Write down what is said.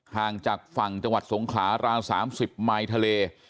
ห่างจากฝั่งจังหวัดสงขลาราว๓๐ไมล์ทะเล